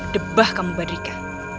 debah kamu badrika